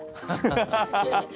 ハハハハ！